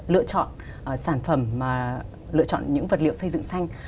lựa chọn sản phẩm lựa chọn những vật liệu xây dựng xanh